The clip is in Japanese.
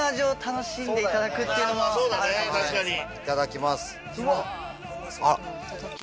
いただきます。